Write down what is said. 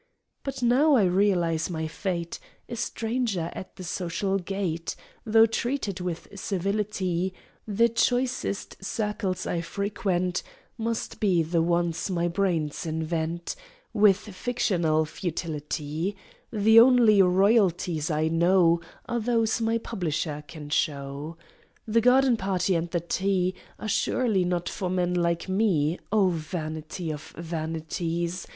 But now I realize my fate; A stranger at the social gate (Tho' treated with civility); The choicest circles I frequent Must be the ones my brains invent, With fictional futility; The only Royalties I know Are those my publisher can show! The garden party, and the tea, Are surely not for men like me (O Vanity of Vanities!)